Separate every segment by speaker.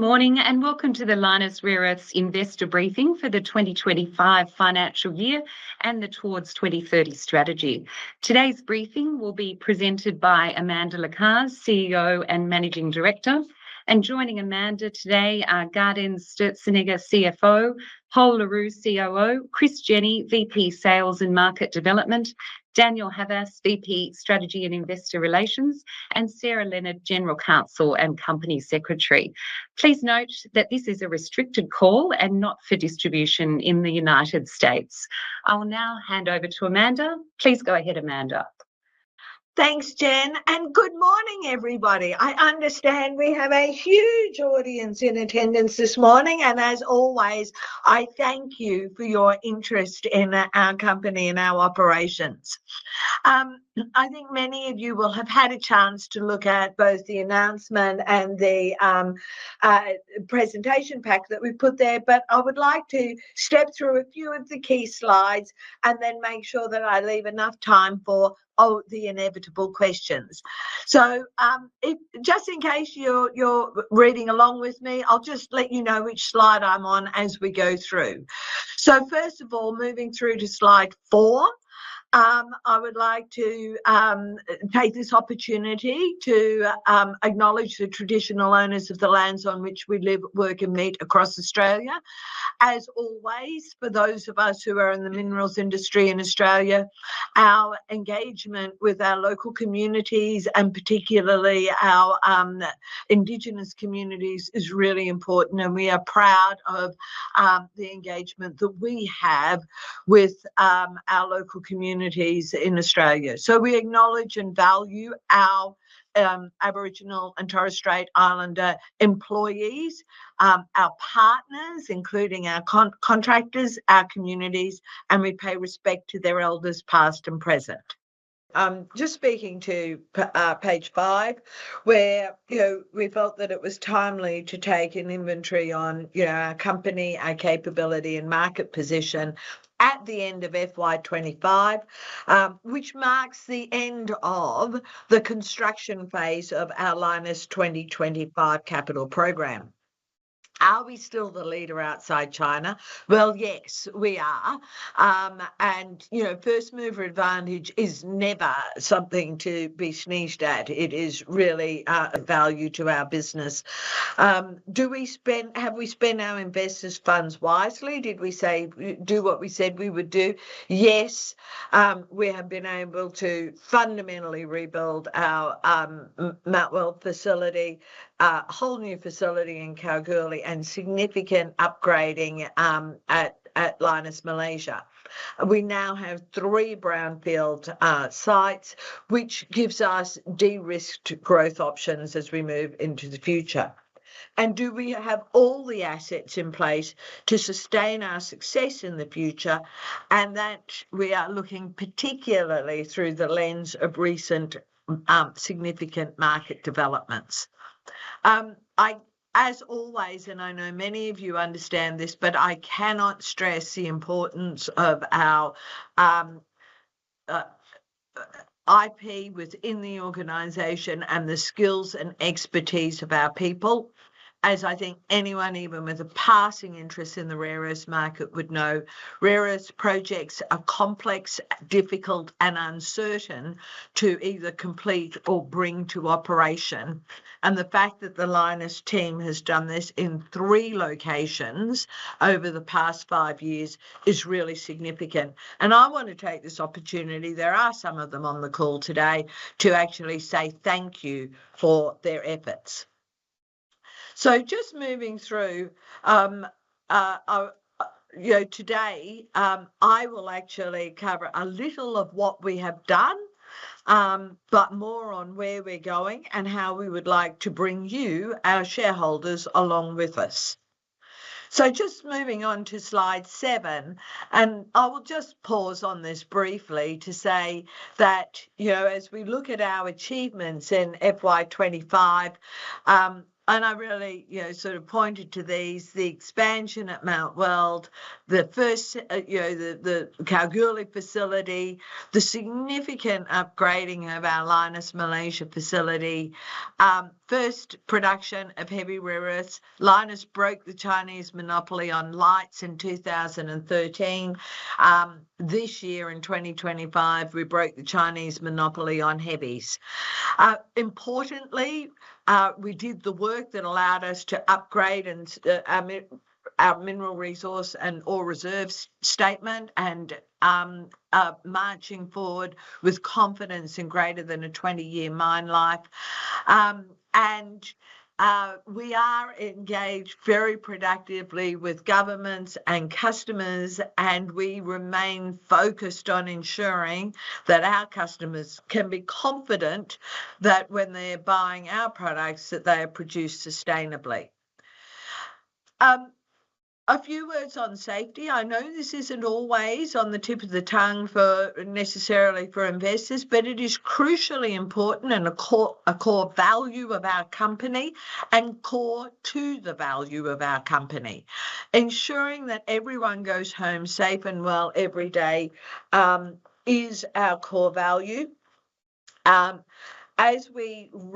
Speaker 1: Good morning and welcome to the Lynas Rare Earths investor briefing for the 2025 financial year and the Towards 2030 strategy. Today's briefing will be presented by Amanda Lacaze, CEO and Managing Director. Joining Amanda today are Gaudenz Sturzenegger, CFO, Pol Le Roux, COO, Chris Jenney, VP Sales and Market Development, Daniel Havas, VP Strategy and Investor Relations, and Sarah Leonard, General Counsel and Company Secretary. Please note that this is a restricted call and not for distribution in the United States I will now hand over to Amanda, please. Go ahead, Amanda.
Speaker 2: Thanks, Jen. Good morning everybody. I understand we have a huge audience in attendance this morning and as always, I thank you for your interest in our company and our operations. I think many of you will have had a chance to look at both the announcement and the presentation pack that we put there. I would like to step through a few of the key slides and then make sure that I leave enough time for the inevitable questions. Just in case you're reading along with me, I'll just let you know which slide I'm on as we go through. First of all, moving through to slide four, I would like to take this opportunity to acknowledge the traditional owners of the lands on which we live, work, and meet across Australia. As always, for those of us who are in the minerals industry in Australia, our engagement with our local communities, and particularly our Indigenous communities, is really important and we are proud of the engagement that we have with our local communities in Australia. We acknowledge and value our Aboriginal and Torres Strait Islander employees, our partners, including our contractors, our communities, and we pay respect to their elders, past and present. Speaking to page five, we felt that it was timely to take an inventory on our company, our capability, and market position at the end of FY 2025, which marks the end of the construction phase of our Lynas 2025 capital program. Are we still the leader outside China? Yes, we are. First mover advantage is never something to be sneezed at. It is really a value to our business. Do we spend, have we spent our investors' funds wisely? Did we do what we said we would do? Yes, we have been able to fundamentally rebuild our Mount Weld facility, whole new facility in Kalgoorlie, and significant upgrading at Lynas Malaysia. We now have three brownfield sites, which gives us de-risked growth options as we move into the future. Do we have all the assets in place to sustain our success in the future? We are looking particularly through the lens of recent significant market developments. As always, and I know many of you understand this, I cannot stress the importance of our intellectual property within the organization and the skills and expertise of our people. As I think anyone, even with a passing interest in the rare earths market, would know, rare earths projects are complex, difficult, and uncertain to either complete or bring to operation. The fact that the Lynas team has done this in three locations over the past five years is really significant, and I want to take this opportunity—there are some of them on the call today—to actually say thank you for their efforts. Moving through today, I will actually cover a little of what we have done, but more on where we're going and how we would like to bring you, our shareholders, along with us. Moving on to slide seven, I will just pause on this briefly to say that as we look at our achievements in FY 2025, I really sort of pointed to these: the expansion at Mount Weld, the first the Kalgoorlie facility, the significant upgrading of our Lynas Malaysia facility, and first production of heavy rare earths. Lynas broke the Chinese monopoly on lights in 2013. This year, in 2025, we broke the Chinese monopoly on heavy rare earths. Importantly, we did the work that allowed us to upgrade our mineral resource and ore reserves statement and are marching forward with confidence and greater than a 20-year mine life. We are engaged very productively with governments and customers and remain focused on ensuring that our customers can be confident that when they're buying our products, they are produced sustainably. A few words on safety. I know this isn't always on the tip of the tongue necessarily for investors, but it is crucially important and a core value of our company and core to the value of our company. Ensuring that everyone goes home safe and well every day is our core value. As we are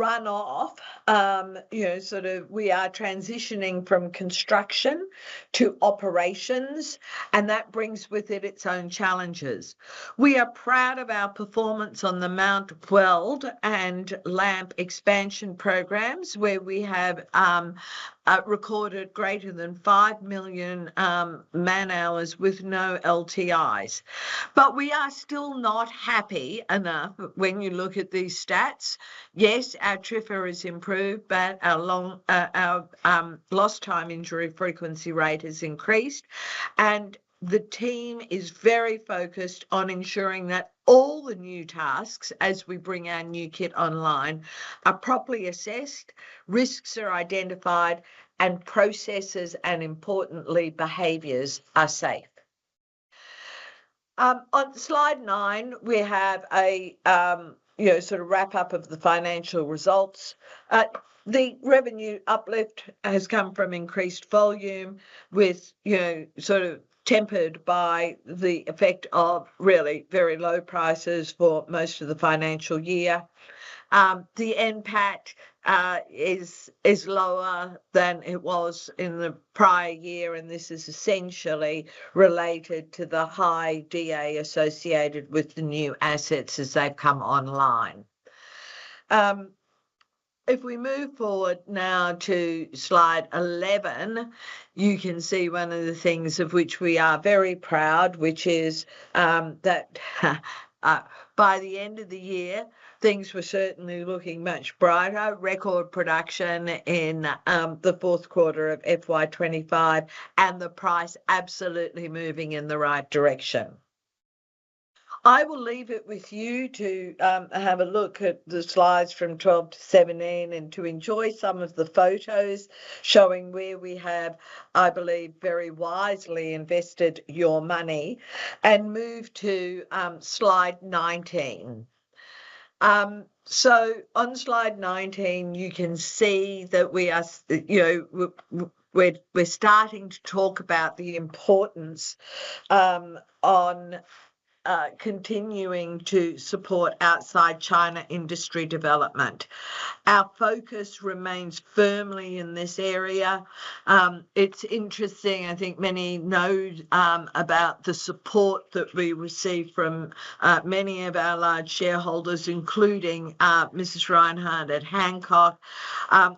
Speaker 2: transitioning from construction to operations, that brings with it its own challenges. We are proud of our performance on the Mount Weld and LAMP expansion programs, where we have recorded greater than 5 million man hours with no LTIs. We are still not happy enough when you look at these stats. Yes, our TRIFA has improved, but our lost time injury frequency rate has increased, and the team is very focused on ensuring that all the new tasks as we bring our new kit online are properly assessed. Risks are identified, and processes and, importantly, behaviors are safe. On slide 9, we have a sort of wrap-up of the financial results. The revenue uplift has come from increased volume, tempered by the effect of really very low prices for most of the financial year. The NPAT is lower than it was in the prior year, and this is essentially related to the high DA associated with the new assets as they come online. If we move forward now to slide 11, you can see one of the things of which we are very proud, which is that by the end of the year things were certainly looking much brighter. Record production in the fourth quarter of FY 2025 and the price absolutely moving in the right direction. I will leave it with you to have a look at the slides from 12 to 17 and to enjoy some of the photos showing where we have, I believe, very wisely invested your money and move to slide 19. On slide 19 you can see that we are still, you know, we're starting to talk about the importance of continuing to support outside China industry development. Our focus remains firmly in this area. It's interesting, I think many know about the support that we receive from many of our large shareholders, including Mrs. Reinhardt at Hancock,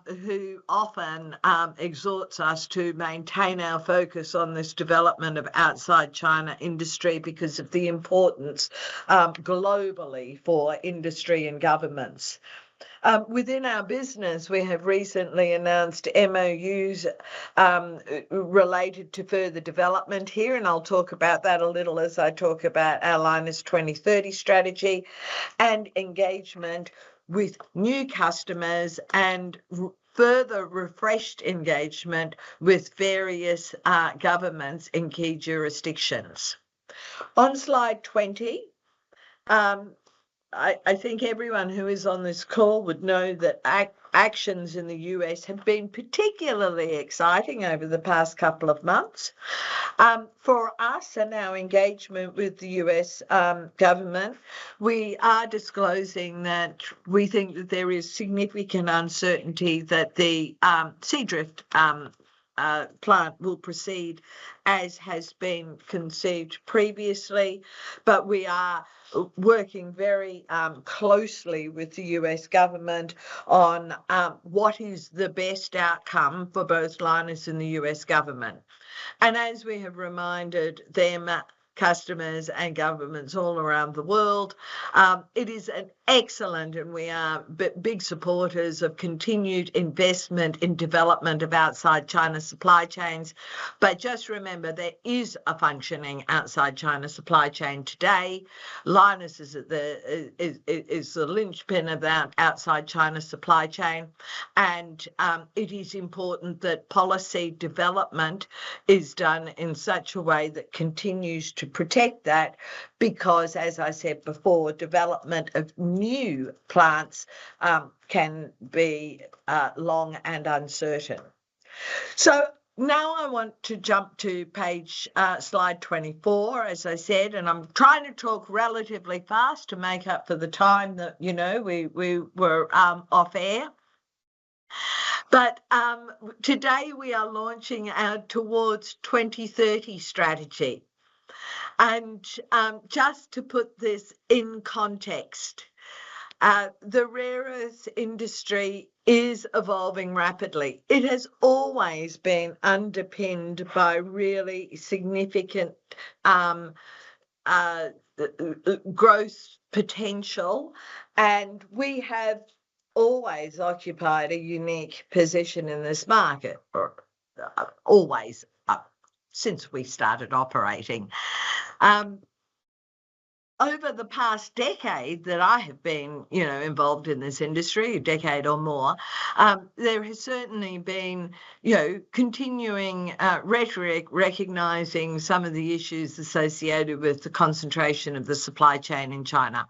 Speaker 2: who often exhorts us to maintain our focus on this development of outside China industry because of the importance globally for industry and governments within our business. We have recently announced MOUs related to further development here, and I'll talk about that a little as I talk about our Lynas 2030 strategy and engagement with new customers and further refreshed engagement with various governments in key jurisdictions on slide 20. I think everyone who is on this call would know that actions in the U.S. have been particularly exciting over the past couple of months for us and our engagement with the U.S. Government. We are disclosing that we think that there is significant uncertainty that the Seadrift plant will proceed as has been conceived previously. We are working very closely with the U.S. Government on what is the best outcome for both Lynas and the U.S. Government and as we have reminded them, customers and governments all around the world. It is an excellent and we are big supporters of continued investment in development of outside China supply chains. Just remember, there is a functioning outside China supply chain today. Lynas is the linchpin of that outside China supply chain and it is important that policy development is done in such a way that continues to protect that. As I said before, development of new plants can be long and uncertain. Now I want to jump to page slide 24, as I said, and I'm trying to talk relatively fast to make up for the time that, you know, we were off air. Today we are launching our Towards 2030 strategy. Just to put this in context, the rare earths industry is evolving rapidly. It has always been underpinned by really significant growth potential. We have always occupied a unique position in this market, always since we started operating. Over the past decade that I have been involved in this industry, a decade or more, there has certainly been continuing rhetoric recognizing some of the issues associated with the concentration of the supply chain in China.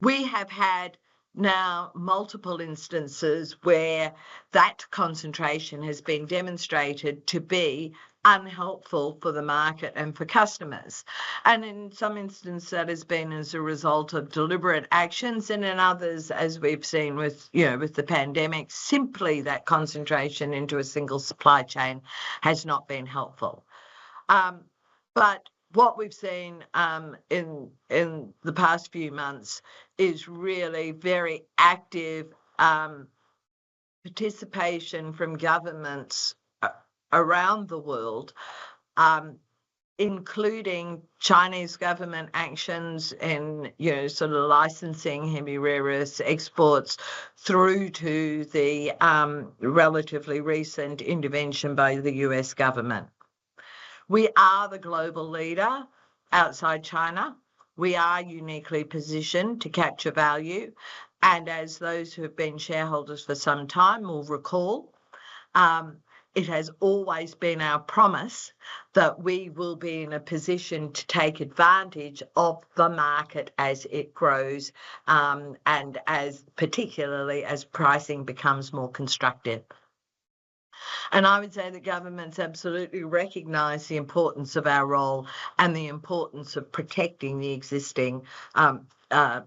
Speaker 2: We have had now multiple instances where that concentration has been demonstrated to be unhelpful for the market and for customers. In some instances, that has been as a result of deliberate actions. In others, as we've seen with the pandemic, simply that concentration into a single supply chain has not been helpful. What we've seen in the past few months is really very active participation from governments around the world, including Chinese government actions in sort of licensing heavy rare earth exports through to the relatively recent intervention by the U.S. government. We are the global leader outside China. We are uniquely positioned to capture value. As those who have been shareholders for some time will recall, it has always been our promise that we will be in a position to take advantage of the market as it grows and particularly as pricing becomes more constructive. I would say that governments absolutely recognize the importance of our role and the importance of protecting the existing non-China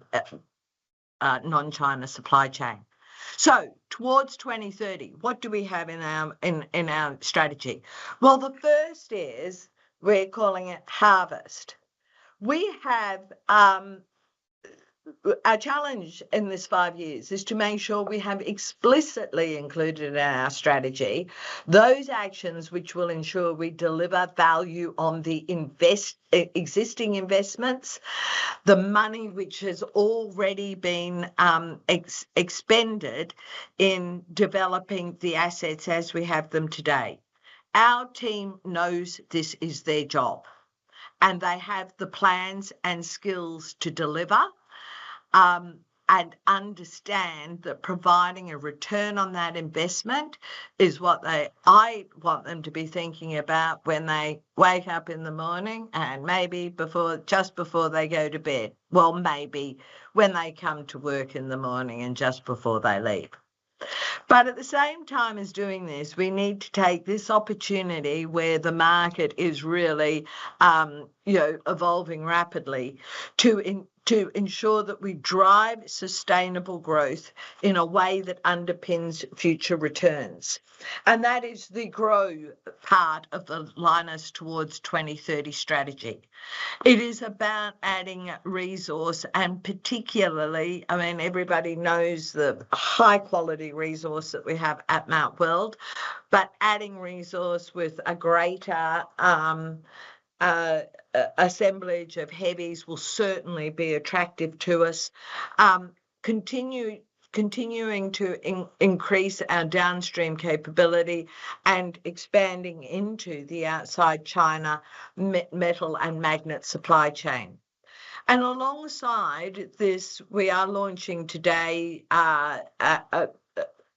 Speaker 2: supply chain. Towards 2030, what do we have in our strategy? The first is we're calling it Harvest. Our challenge in this five years is to make sure we have explicitly included in our strategy those actions which will ensure we deliver value on the existing investments, the money which has already been expended in developing the assets as we have them today. Our team knows this is their job and they have the plans and skills to deliver and understand that providing a return on that investment is what I want them to be thinking about when they wake up in the morning and maybe just before they go to bed. Maybe when they come to work in the morning and just before they leave. At the same time as doing this, we need to take this opportunity where the market is really evolving rapidly to ensure that we drive sustainable growth in a way that underpins future returns. That is the grow part of the Lynas towards 2030 strategy. It is about adding resource and particularly, I mean everybody knows the high quality resource that we have at Mount Weld. Adding resource with a greater assemblage of heavies will certainly be attractive to us. Continuing to increase our downstream capability and expanding into the ex-China metal and magnet supply chain. Alongside this we are launching today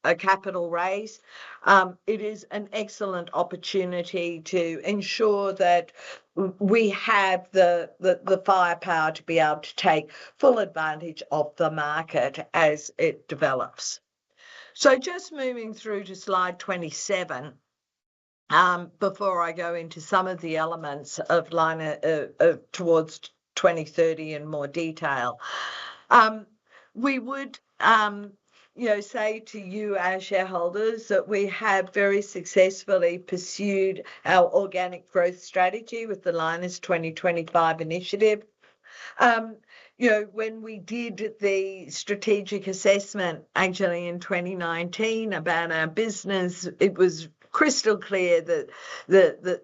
Speaker 2: a capital raise. It is an excellent opportunity to ensure that we have the firepower to be able to take full advantage of the market as it develops. Just moving through to slide 27 before I go into some of the elements of Lynas towards 2030 in more detail, we would say to you, our shareholders, that we have very successfully pursued our organic growth strategy with the Lynas 2025 initiative. When we did the strategic assessment actually in 2019 about business, it was crystal clear that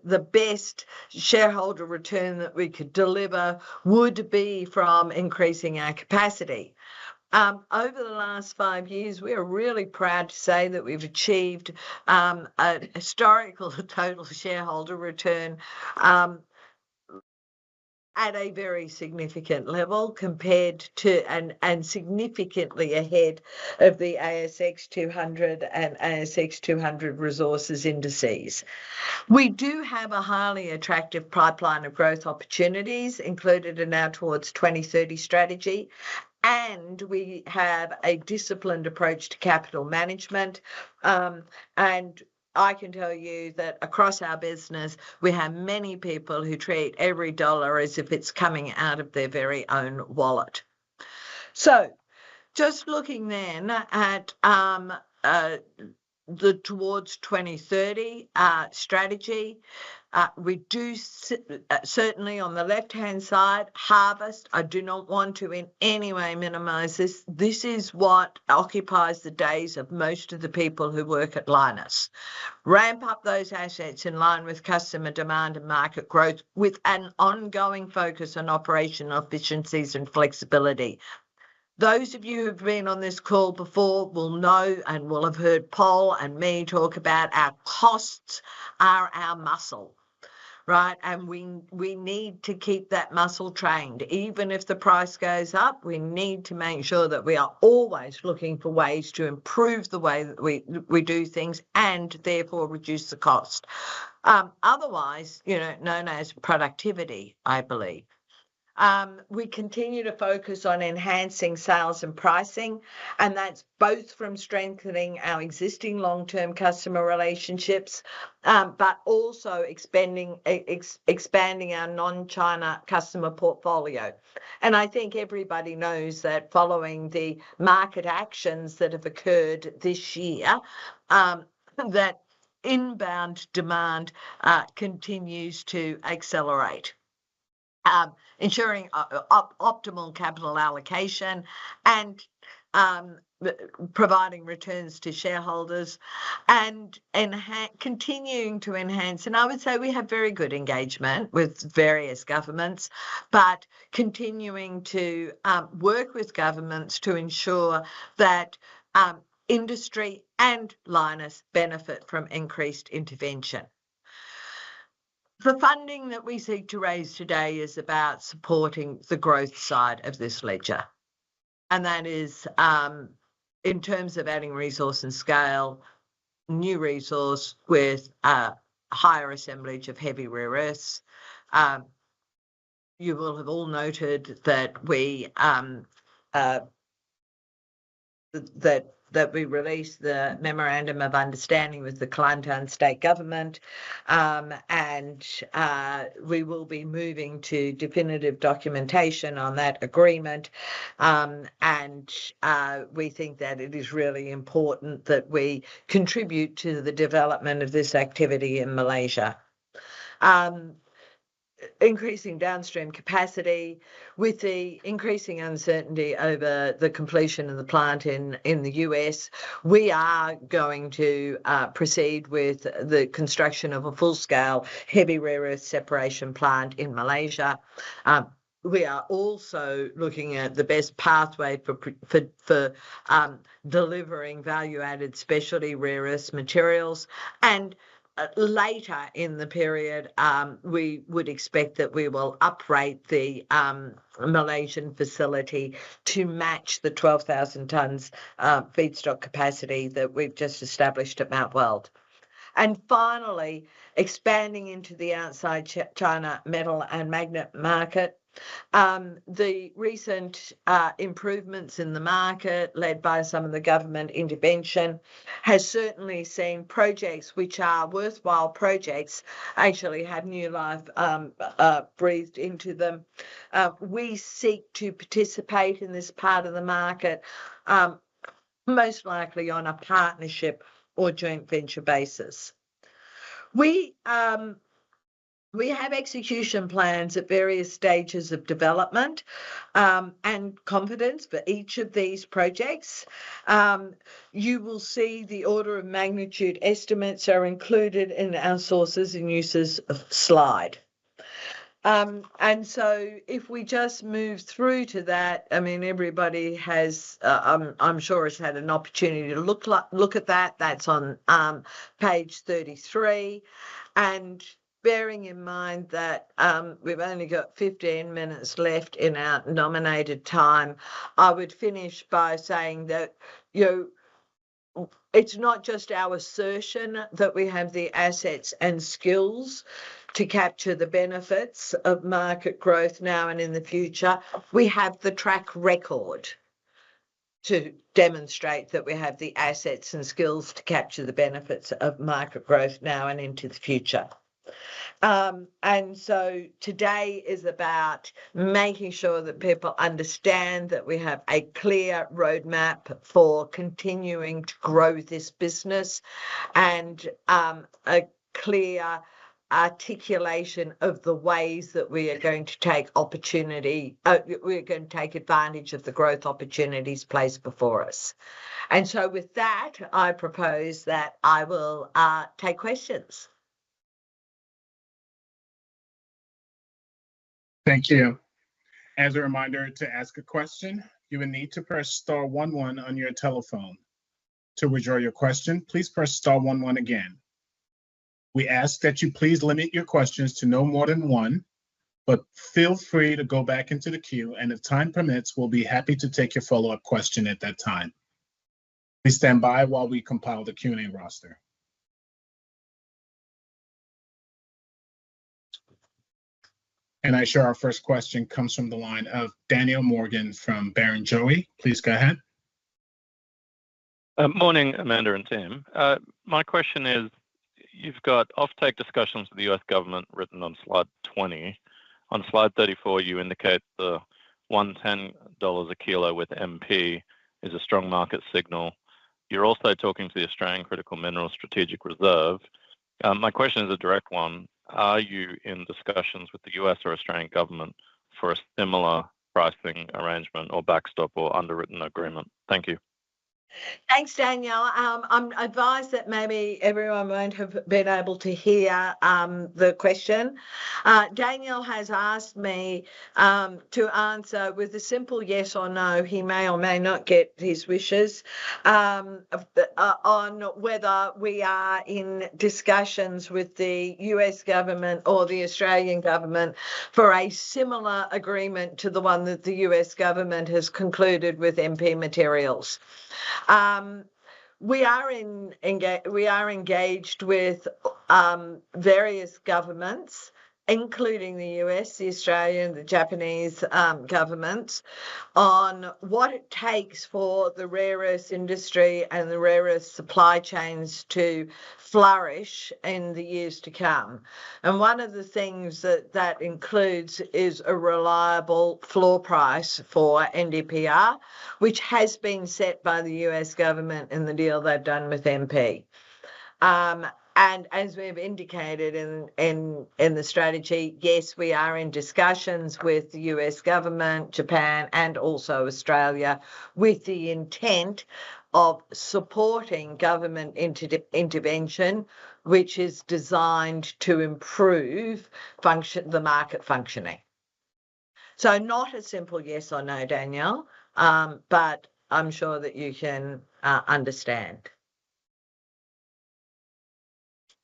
Speaker 2: the best shareholder return that we could deliver would be from increasing our capacity over the last five years. We are really proud to say that we've achieved a historical total shareholder return at a very significant level compared to and significantly ahead of the ASX 200 and ASX 200 resources industry. We do have a highly attractive pipeline of growth opportunities included in our Towards 2030 strategy. We have a disciplined approach to capital management. I can tell you that across our business we have many people who treat every dollar as if it's coming out of their very own wallet. Just looking then at the Towards 2030 strategy, we do certainly on the left hand side, harvest. I do not want to in any way minimize this. This is what occupies the days of most of the people who work at Lynas. Ramp up those assets in line with customer demand and market growth with an ongoing focus on operational efficiencies and flexibility. Those of you who've been on this call before will know and will have heard Paul and me talk about our costs are our muscle, right? We need to keep that muscle trained even if the price goes up. We need to make sure that we are always looking for ways to improve the way that we do things and therefore reduce the cost otherwise known as productivity. I believe we continue to focus on enhancing sales and pricing and that's both from strengthening our existing long term customer relationships but also expanding our non-China customer portfolio. I think everybody knows that following the market actions that have occurred this year, inbound demand continues to accelerate, ensuring optimal capital allocation and providing returns to shareholders and continuing to enhance. I would say we have very good engagement with various governments, continuing to work with governments to ensure that industry and Lynas benefit from increased intervention. The funding that we seek to raise today is about supporting the growth side of this ledger and that is in terms of adding resource and scale, new resource with higher assemblage of heavy rare earths. You will have all noted that we released the Memorandum of Understanding with the Kalantan State government and we will be moving to definitive documentation on that agreement. We think that it is really important that we contribute to the development of this activity in Malaysia. Increasing downstream capacity with the increasing uncertainty over the completion of the plant in the U.S., we are going to proceed with the construction of a full scale heavy rare earth separation plant in Malaysia. We are also looking at the best pathway for delivering value added specialty rare earth materials. Later in the period we would expect that we will upgrade the Malaysian facility to match the 12,000 tons feedstock capacity that we've just established at Mount Weld and finally expanding into the outside China metal and magnet market. The recent improvements in the market led by some of the government intervention have certainly seen projects which are worthwhile projects actually had new life breathed into them. We seek to participate in this part of the market most likely on a partnership or joint venture basis. We have execution plans at various stages of development and confidence for each of these projects. You will see the order of magnitude estimates are included in our sources and uses slide, so if we just move through to that, I mean everybody I'm sure has had an opportunity to look at that. That's on page 33. Bearing in mind that we've only got 15 minutes left in our nominated time, I would finish by saying that it's not just our assertion that we have the assets and skills to capture the benefits of market growth now and in the future. We have the track record to demonstrate that we have the assets and skills to capture the benefits of market growth now and into the future. Today is about making sure that people understand that we have a clear roadmap for continuing to grow this business and a clear articulation of the ways that we are going to take opportunity. We are going to take advantage of the growth opportunities placed before us. With that, I propose that I will take questions. Thank you.
Speaker 3: As a reminder to ask a question, you will need to press star one one on your telephone. To withdraw your question, please press star one one again. We ask that you please limit your questions to no more than one, but feel free to go back into the queue and if time permits we'll be happy to take your follow up question at that time. Please stand by while we compile the Q and A roster and I am sure our first question comes from the line of Daniel Morgan from Barrenjoey. Please go ahead.
Speaker 4: Morning Amanda and Team. My question is you've got offtake discussions with the U.S. government written on slide 20. On slide 34 you indicate the $1, $10 a kilo with MP is a strong market signal. You're also talking to the Australian Critical Mineral Strategic Reserve. My question is a direct one. Are you in discussions with the U.S. or Australian government for a similar pricing arrangement or backstop or underwritten agreement? Thank you.
Speaker 2: Thanks, Daniel. I'm advised that maybe everyone won't have been able to hear the question Daniel has asked me to answer with a simple yes. He may or may not get his wishes on whether we are in discussions with the U.S. Government or the Australian Government for a similar agreement to the one that the U.S. Government has concluded with MP Materials. We are engaged with various governments, including the U.S., the Australian, the Japanese Government, on what it takes for the rare earths industry and the rare earths supply chains to flourish in the years to come. One of the things that includes is a reliable floor price for NdPr, which has been set by the U.S. Government in the deal they've done with MP. As we've indicated in the strategy, yes, we are in discussions with the U.S. Government, Japan, and also Australia with the intent of supporting government intervention which is designed to improve the market functioning. Not a simple yes or no, Daniel, but I'm sure that you can understand.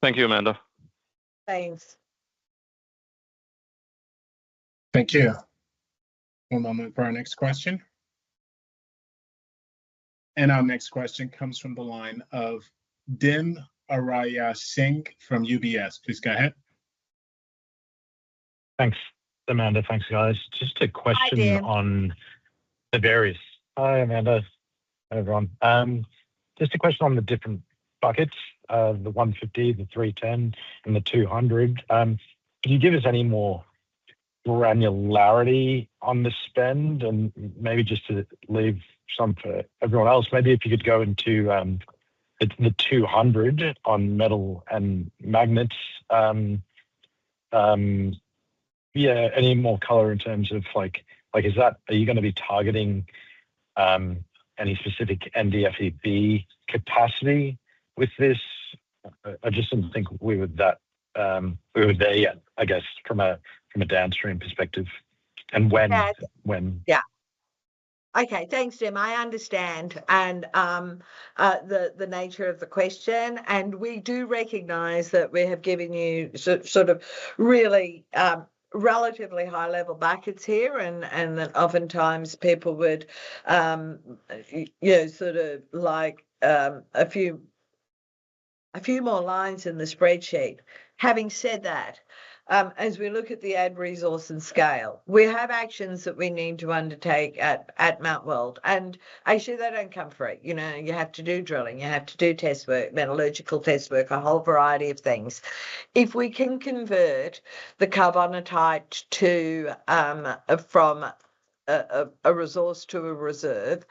Speaker 4: Thank you, Amanda.
Speaker 2: Thanks.
Speaker 3: Thank you. One moment for our next question. Our next question comes from the line of Dim Ariyasinghe from UBS. Please go ahead.
Speaker 5: Thanks, Amanda. Thanks guys. Just a question on the various. Hi Amanda. Hi everyone. Just a question on the different buckets, the $150 million, the $310 million, and the $200 million. Can you give us any more granularity on the spend and maybe just to leave some for everyone else? Maybe if you could go into the $200 million on metal and magnets, you know, any more color in terms of like is that, are you going to be targeting any specific NdFeB capacity with this? I just didn't think we were, that we were there yet, I guess from a downstream perspective and when.
Speaker 2: Yeah, okay, thanks Dim. I understand the nature of the question and we do recognize that we have given you sort of really relatively high-level buckets here and that oftentimes people would like a few more lines in the spreadsheet. Having said that, as we look at the add resource and scale, we have actions that we need to undertake at Mount Weld and actually they don't come free. You have to do drilling, you have to do test work, metallurgical test work, a whole variety of things. If we can convert the carbonatite from a resource to a reserve,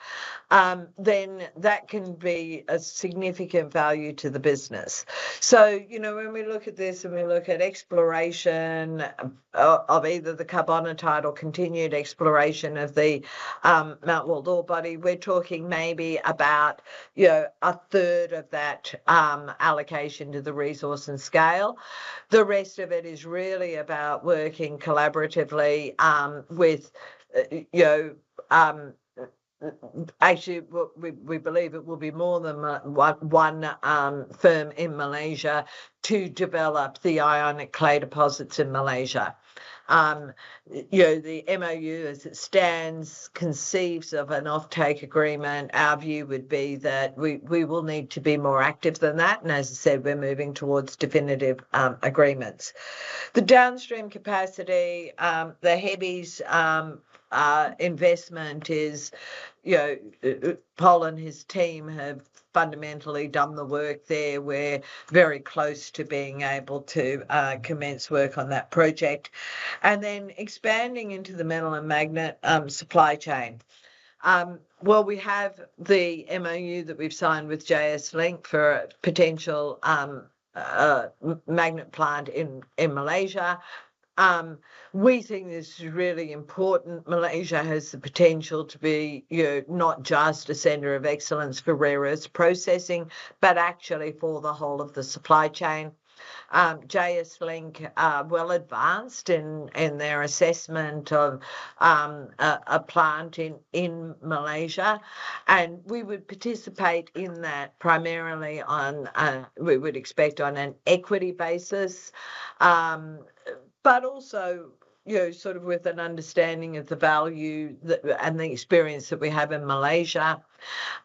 Speaker 2: then that can be a significant value to the business. When we look at this and we look at exploration of either the carbonatite or continued exploration of the Mount Weld ore body, we're talking maybe about a third of that allocation to the resource and scale. The rest of it is really about working collaboratively with, you know, actually, we believe it will be more than one firm in Malaysia to develop the ionic clay deposits in Malaysia. The MOU, as it stands, conceives of an offtake agreement. Our view would be that we will need to be more active than that. As I said, we're moving towards definitive agreements. The downstream capacity, the heaviest investment is, you know, Paul and his team have fundamentally done the work there. We're very close to being able to commence work on that project and then expanding into the metal and magnet supply chain. We have the MOU that we've signed with JSLink for a potential magnet plant in Malaysia. We think this is really important. Malaysia has the potential to be not just a center of excellence for rare earth processing, but actually for the whole of the supply chain. JSLink is well advanced in their assessment of a plant in Malaysia. We would participate in that primarily on, we would expect, an equity basis, but also with an understanding of the value and the experience that we have in Malaysia.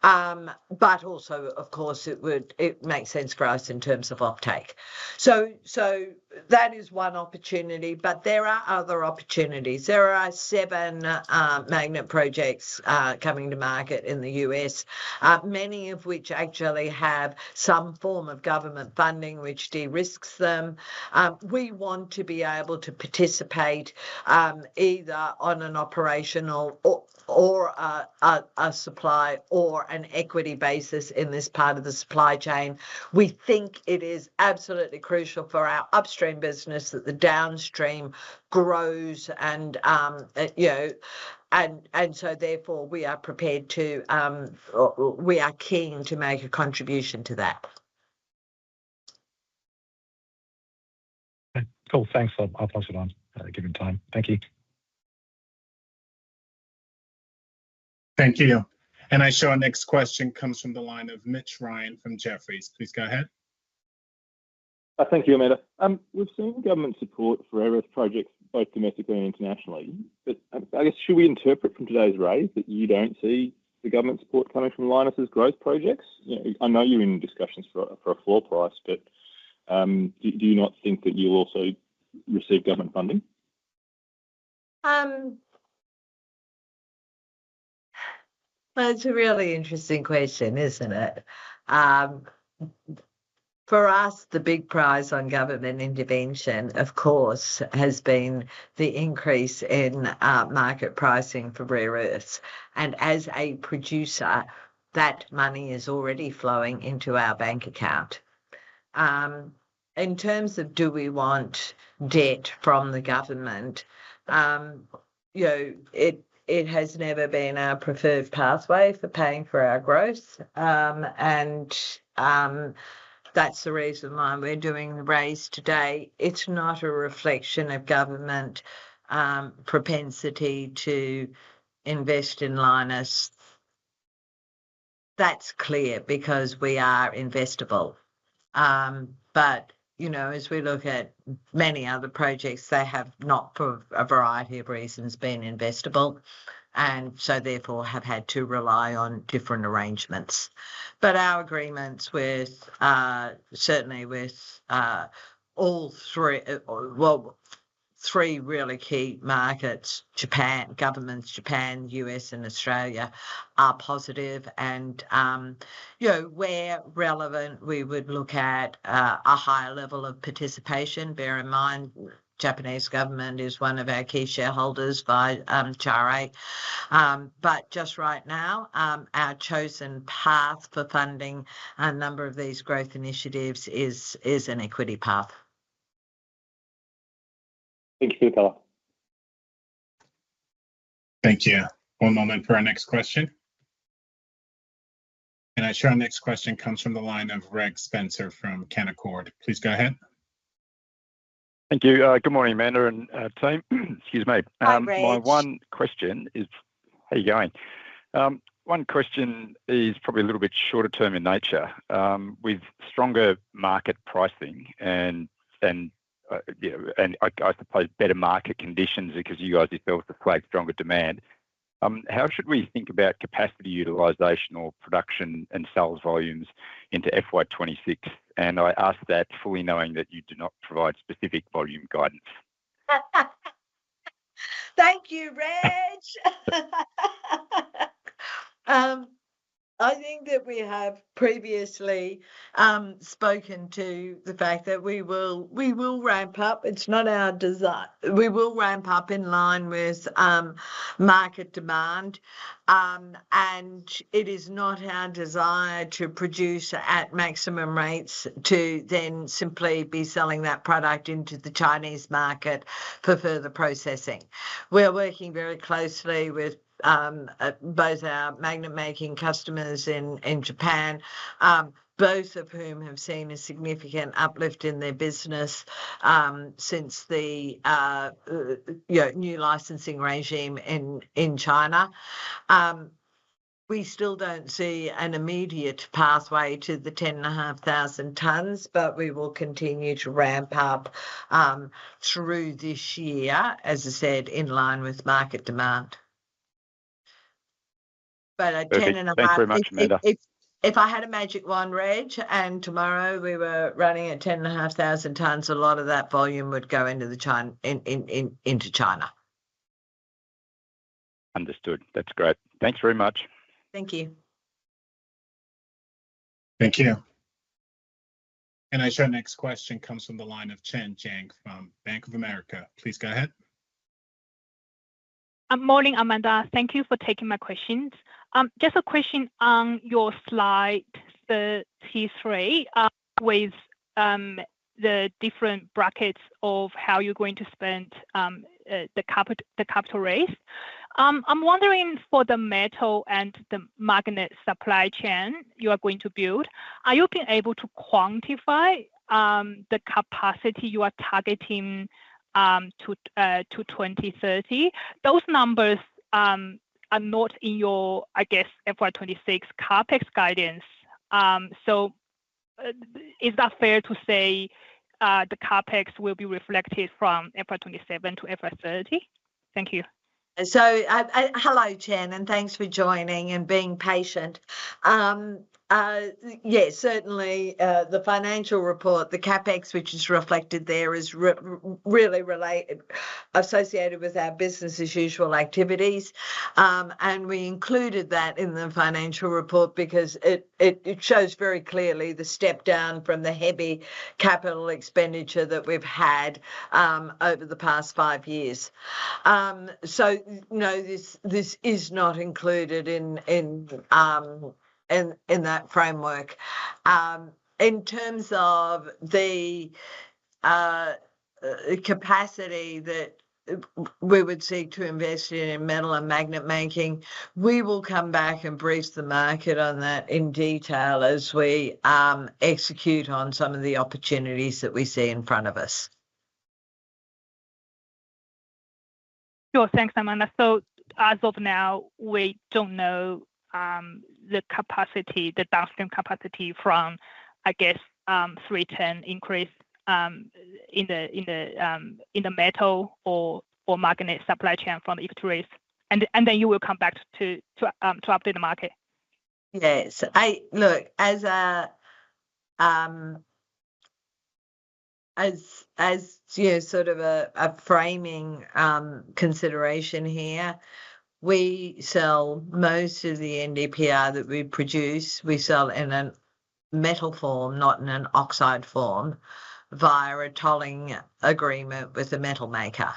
Speaker 2: Of course, it makes sense for us in terms of offtake. That is one opportunity. There are other opportunities. There are seven magnet projects coming to market in the U.S., many of which actually have some form of government funding which de-risks them. We want to be able to participate either on an operational or a supply or an equity basis in this part of the supply chain. We think it is absolutely crucial for our upstream business that the downstream grows and, you know, therefore we are prepared to, we are keen to make a contribution to that.
Speaker 5: Cool. Thanks. I'll pass it on. Give him time. Thank you.
Speaker 3: Thank you. Our next question comes from the line of Mitch Ryan from Jefferies. Please go ahead.
Speaker 6: Thank you. Amanda, we've seen government support for rare earths projects both domestically and internationally. Should we interpret from today's capital raise that you don't see the government support coming for Lynas growth project? I know you're in discussions for a floor price, but do you not think that you also receive government funding?
Speaker 2: It's a really interesting question, isn't it? For us, the big prize on government intervention, of course, has been the increase in market pricing for rare earths. As a producer, that money is already flowing into our bank account. In terms of do we want debt from the government? It has never been our preferred pathway for paying for our growth and that's the reason why we're doing the raise today. It's not a reflection of government propensity to invest in Lynas. That's clear, because we are investable. As we look at many other projects, they have not for a variety of reasons been investable and so therefore have had to rely on different arrangements. Our agreements with all three, well, three really key markets, Japan, U.S. and Australia, are positive and where relevant we would look at a higher level of participation. Bear in mind Japanese government is one of our key shareholders by charter. Just right now, our chosen path for funding a number of these growth initiatives is an equity project path.
Speaker 6: Thank you.
Speaker 3: Thank you. One moment for our next question. Our next question comes from the line of Reg Spencer from Canaccord. Please go ahead.
Speaker 7: Thank you. Good morning, Amanda and team. Excuse me. My one question is how you going? One question is probably a little bit shorter term in nature. With stronger market pricing and I suppose better market conditions because you guys yourself deflate stronger demand, how should we think about capacity utilization or production and sales volumes into FY 2026? I ask that fully knowing that you do not provide specific volume guidance.
Speaker 2: Thank you. Reg, I think that we have previously spoken to the fact that we will ramp up. It's not our desire. We will ramp up in line with market demand, and it is not our desire to produce at maximum rates to then simply be selling that product into the Chinese market for further processing. We are working very closely with both our magnet making customers in Japan, both of whom have seen a significant uplift in their business since the new licensing regime in China. We still don't see an immediate pathway to the 10,500 tons. We will continue to ramp up through this year, as I said, in line with market demand. Thanks very much. If I had a magic wand, Reg, and tomorrow we were running at 10,500 tons, a lot of that volume would go into China.
Speaker 7: Understood. That's great. Thanks very much.
Speaker 2: Thank you.
Speaker 3: Thank you. Next question comes from the line of Chen Jiang from Bank of America. Please Guys ahead.
Speaker 8: Morning, Amanda. Thank you for taking my questions. Just a question on your slide 33 with the different brackets of how you're going to spend the capital, the capital raise. I'm wondering for the metal and the magnet supply chain you are going to build, are you being able to quantify the capacity you are targeting to 2030? Those numbers are not in your, I guess, FY 2026 CapEx guidance. Is that fair to say the CapEx will be reflected from FY 2027 to FY 2030?
Speaker 2: Thank you. Hello Chen, and thanks for joining and being patient. Yes, certainly the financial report, the CapEx which is reflected there is really associated with our business as usual activities, and we included that in the financial report because it shows very clearly the step down from the heavy capital expenditure that we've had over the past five years. This is not included in that framework in terms of the capacity that we would seek to invest in metal and magnet making. We will come back and brief the market on that in detail as we execute on some of the opportunities that we see in front of us. Sure.
Speaker 8: Thanks, Amanda. As of now we don't know the downstream capacity from, I guess, 3, 10 increase in the metal or market supply chain from equities. You will come back to update the market.
Speaker 2: Yes. As a framing consideration here, we sell most of the NdPr that we produce. We sell in a metal form, not in an oxide form via a tolling agreement with the metal maker.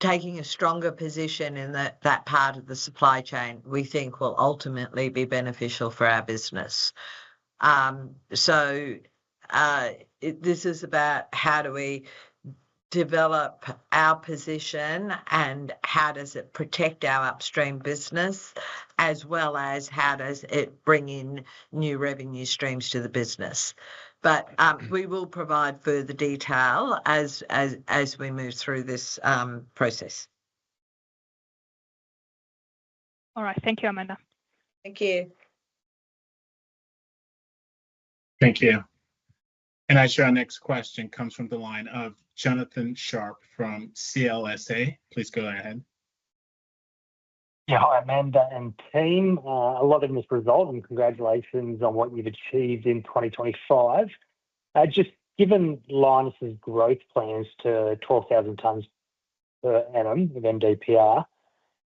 Speaker 2: Taking a stronger position in that part of the supply chain we think will ultimately be beneficial for our business. This is about how do we develop our position and how does it protect our upstream business as well as how does it bring in new revenue streams to the business. We will provide further detail as we move through this process.
Speaker 8: All right, thank you Amanda.
Speaker 2: Thank you.
Speaker 3: Thank you. Actually, our next question comes from the line of Jonathan Sharp from CLSA. Please go ahead.
Speaker 9: Yeah, hi Amanda and team. A lot of misresolved and congratulations on what you've achieved in 2025. Just given Lynas's growth plans to 12,000 tons, tons per annum of NdPr,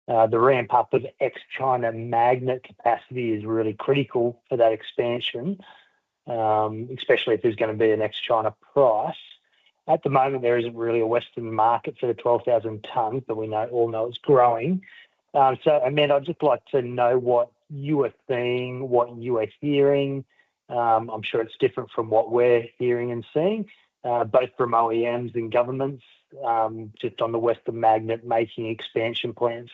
Speaker 9: the ramp up of ex-China magnet capacity is really critical for that expansion, especially if there's going to be an ex-China price. At the moment there isn't really a western market for the 12,000 tons, but we all know it's growing. Amanda, I'd just like to know what you were seeing, what you are hearing. I'm sure it's different from what we're hearing and seeing both from OEMs and governments just on the western magnet making expansion plans.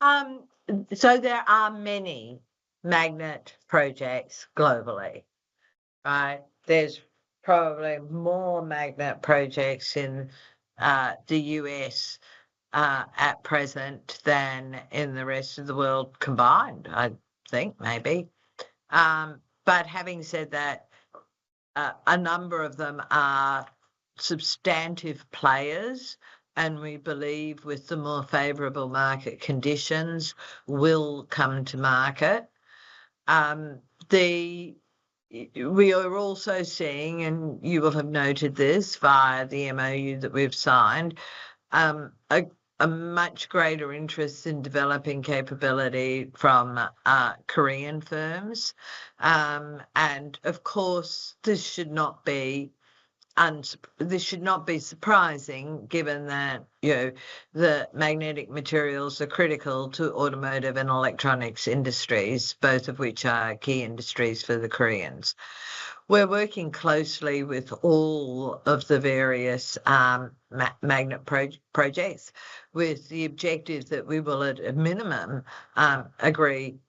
Speaker 2: There are many magnet projects globally. There's probably more magnet projects in the U.S. at present than in the rest of the world combined. I think maybe, but having said that, a number of them are substantive players and we believe with the more favorable market conditions will come to market. We are also seeing, and you will have noted this via the MoU that we've signed, a much greater interest in developing capability from Korean firms. Of course, this should not be surprising given that the magnetic materials are critical to automotive and electronics industries, both of which are key industries for the Koreans. We're working closely with all of the various magnet projects with the objective that we will at a minimum agreement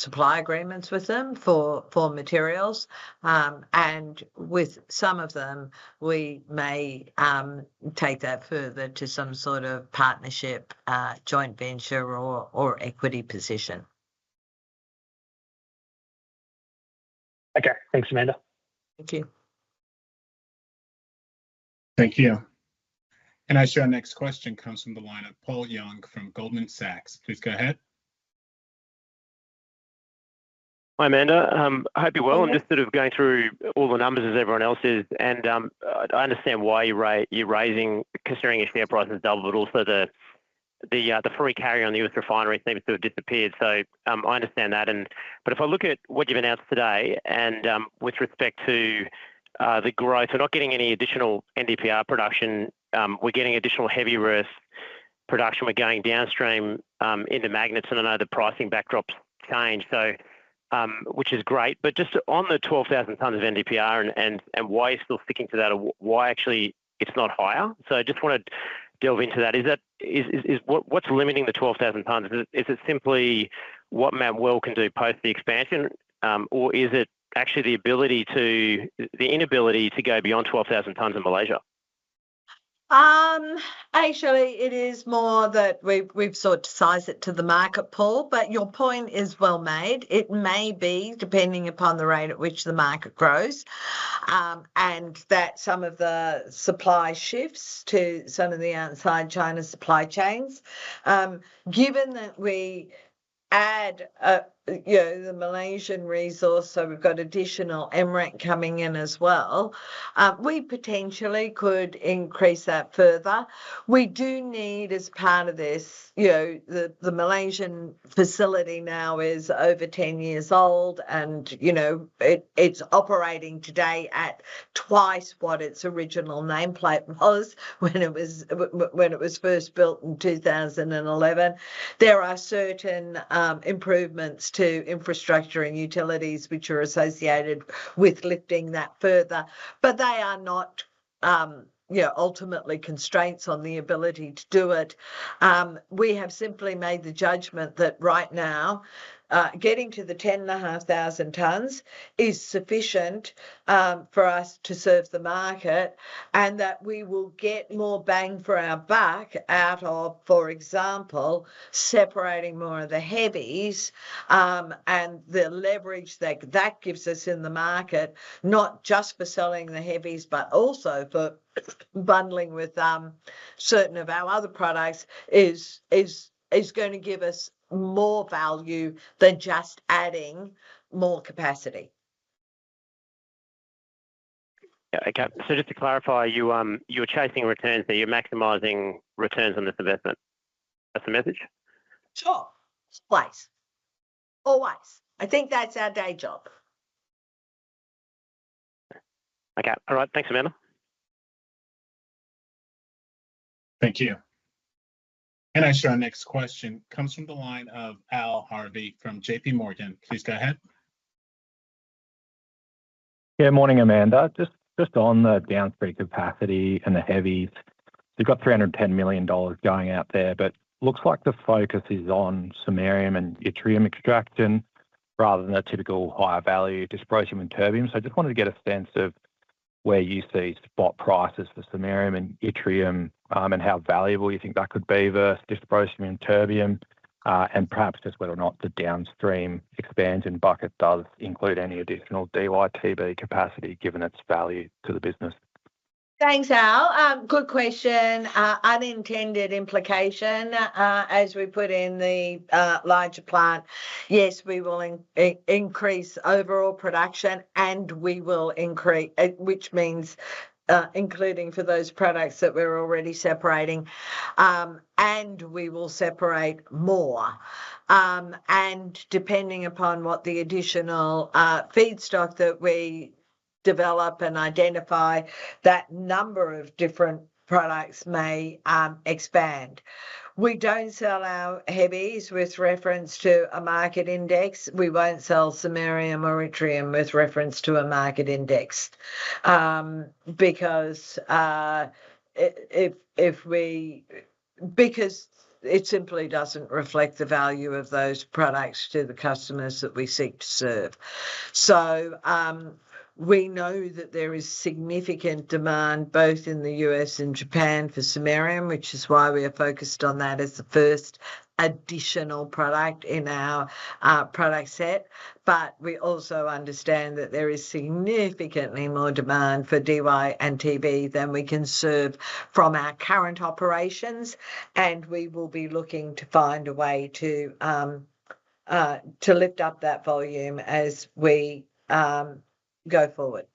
Speaker 2: supply agreements with them for materials, and with some of them we may take that further to some sort of partnership, joint venture, or equity position.
Speaker 9: Okay, thanks, Amanda.
Speaker 2: Thank you.
Speaker 3: Thank you. I assure our next question comes from the line of Paul Young from Goldman Sachs. Please go ahead.
Speaker 10: Hi Amanda, I hope you're well. I'm just going through all the numbers as everyone else is, and I understand why you're raising, considering your share price is double, but also the free carry on the U.S. refinery seems to have disappeared. So. I understand that. If I look at what you've announced today with respect to the growth, we're not getting any additional NdPr production, we're getting additional heavy rare earth production. We're going downstream into magnets. I know the pricing backdrop's changed, which is great, but just on the 12,000 tons of NdPr and why you're still sticking to that, why actually it's not higher. I just want to delve into that. What's limiting the 12,000 tons? Is it simply what Mount Weld can do post the expansion or is it actually the inability to go beyond 12,000 tons of electricity?
Speaker 2: Actually it is more that we've sort sized it to the market pool. Your point is well made. It may be depending upon the rate at which the market grows and that some of the supply shifts to some of the outside China supply chains, given that we add the Malaysian resource, so we've got additional MRAC coming in as well. We potentially could increase that further. We do need as part of this, you know, the Malaysian facility now is over 10 years old and you know, it's operating today at twice what its original nameplate was when it was first built in 2011. There are certain improvements to infrastructure and utilities which are associated with lifting that further, but they are not, not ultimately constraints on the ability to do it. We have simply made the judgment that right now getting to the 10,500 tons is sufficient for us to serve the market and that we will get more bang for our buck out of, for example, separating more of the heavies and the leverage that that gives us in the market, not just for selling the heavies, but also for bundling with certain of our other products is going to give us more value than just adding more capacity.
Speaker 10: Okay, just to clarify, you're chasing returns, that you're maximizing returns on this investment? That's the message.
Speaker 2: Sure. Twice, always. I think that's our day job.
Speaker 10: Okay. All right. Thanks, Amanda.
Speaker 3: Thank you. Our next question comes from the line of Al Harvey from JPMorgan. Please go ahead.
Speaker 11: Good morning, Amanda. Just on the downstream capacity and the Heavies, they've got $310 million going out there, but looks like the focus is on samarium and yttrium extract rather than a typical higher value, dysprosium and terbium. I just wanted to get a sense of where you see spot prices for samarium and yttrium and how valuable you think that could be versus dysprosium and terbium, and perhaps just whether or not the downstream expansion bucket does include any additional DyTb capacity, given its value to the business.
Speaker 2: Thanks, Al. Good question. Unintended implication, as we put in the larger plan. Yes, we will increase overall production and we will increase, which means including for those products that we're already separating. We will separate more. Depending upon what the additional feedstock that we develop and identify, that number of different products may expand. We don't sell our heavies with reference to a market index. We won't sell samarium or yttrium with reference to a market index because it simply doesn't reflect the value of those products to the customers that we seek to serve. We know that there is significant demand both in the U.S. and Japan for samarium, which is why we are focused on that as the first additional product in our product set. We also understand that there is significantly more demand for dysprosium oxide and terbium oxide than we can serve from our current operations. We will be looking to find a way to lift up that volume as we go forward.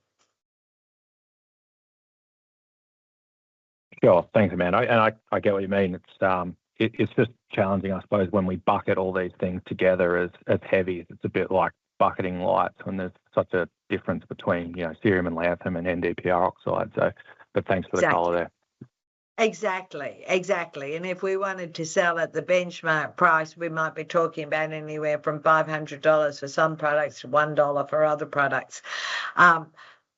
Speaker 11: Sure. Thanks, Amanda. I get what you mean. It's just challenging, I suppose, when we bucket all these things together as heavy. It's a bit like bucketing lights when there's such a difference between cerium and lanthanum and NdPr oxide. Thanks for the color there.
Speaker 2: Exactly. Exactly. If we wanted to sell at the benchmark price, we might be talking about anywhere from $500 for some products, $1 for other products.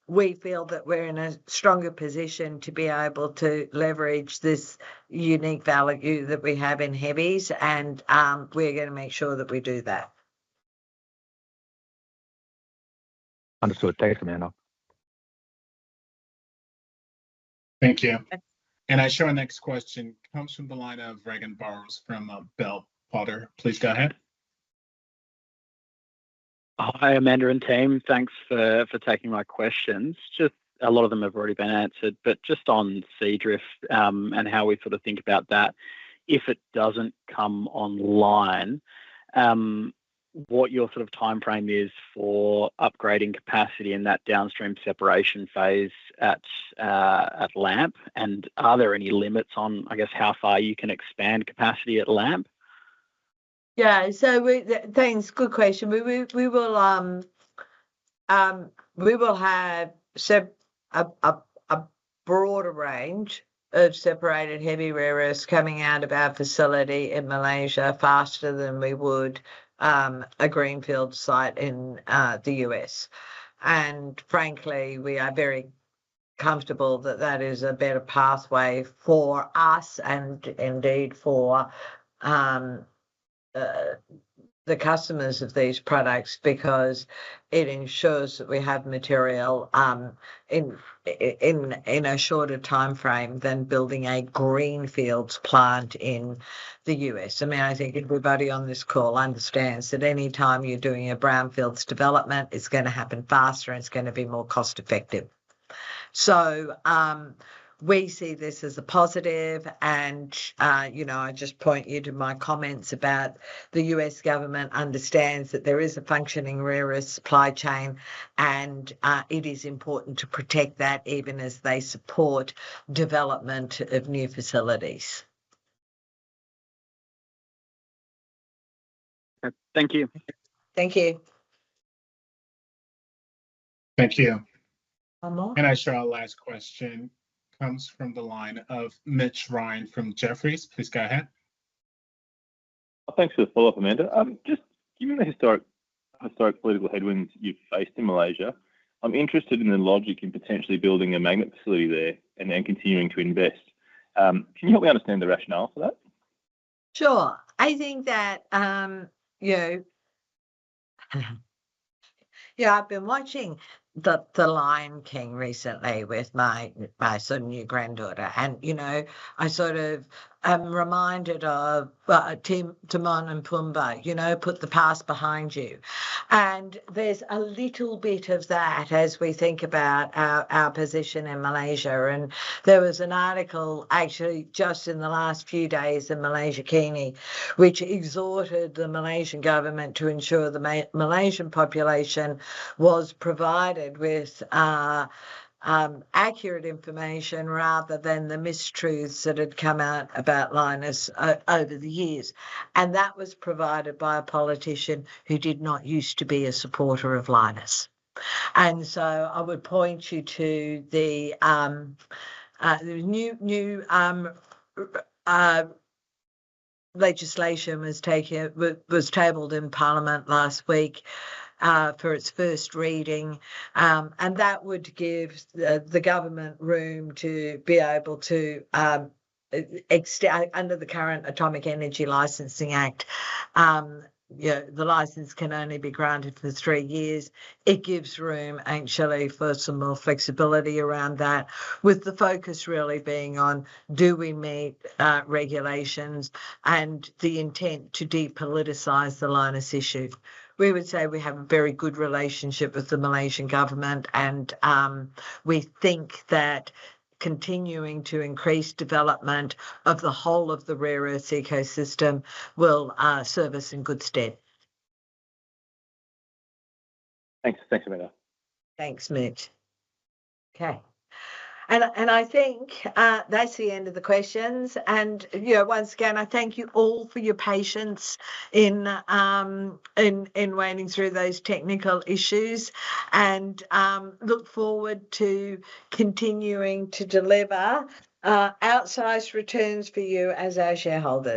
Speaker 2: We feel that we're in a stronger position to be able to leverage this unique value that we have in heavies, and we're going to make sure that we do that.
Speaker 11: Understood. Thanks, Amanda.
Speaker 3: Thank you. I show our next question comes from the line of Regan Burrows from Bell Potter, please go ahead.
Speaker 12: Hi Amanda and team, thanks for taking my questions. A lot of them have already been answered, but just on Seadrift and how we sort of think about that if it doesn't come online. What your sort of time frame is for upgrading capacity in that downstream separation phase at LAMP and are there any limits on, I guess, how far you can expand capacity at LAMP?
Speaker 2: Yeah. Thanks. Good question. We will have a broader range of separated heavy rare earths coming out of our facility in Malaysia faster than we would a greenfield site in the U.S., and frankly, we are very comfortable that that is a better pathway for us and indeed for the customers of these products because it ensures that we have material in a shorter timeframe than building a greenfield plant in the U.S. I mean, I think everybody on this call understands that anytime you're doing a brownfield development, it's going to happen faster, it's going to be more cost effective. We see this as a positive. I just point you to my comments about the U.S. Government understands that there is a functioning rare earth supply chain and it is important to protect that even as they support development of new facilities.
Speaker 12: Thank you.
Speaker 2: Thank you.
Speaker 3: Thank you. I share. Our last question comes from the line of Mitch Ryan from Jefferies. Please go ahead.
Speaker 6: Thanks for the follow up. Amanda, just given the historic political headwinds you've faced in Malaysia, I'm interested in the logic in potentially building a magnet facility there and then continuing to invest. Can you help me understand the rationale for that?
Speaker 2: Sure. I think that, you know, I've been watching The Lion King recently with my sort of new granddaughter and, you know, I'm sort of reminded of Timon and Pumbaa, you know, put the past behind you. There's a little bit of that as we think about our position in Malaysia. There was an article actually just in the last few days in Malaysiakini, which exhorted the Malaysian government to ensure the Malaysian population was provided with accurate information rather than the mistruths that had come out about Lynas over years. That was provided by a politician who did not used to be a supporter of Lynas. I would point you to the new legislation that was tabled in Parliament last week for its first reading. That would give the government room to be able to, under the current Atomic Energy Licensing Act, the license can only be granted for three years. It gives room, actually, for some more flexibility around that. With the focus really being on do we meet regulations and the intent to depoliticize the Lynas issue, we would say we have a very good relationship with the Malaysian government and we think that continuing to increase development of the whole of the rare earths ecosystem will serve us in good stead.
Speaker 6: Thanks, Amanda.
Speaker 2: Thanks, Mitch.
Speaker 1: Okay.
Speaker 2: I think that's the end of the questions. Once again, I thank you all for your patience in wading through those technical issues and look forward to continuing to deliver outsized returns for you as our shareholders.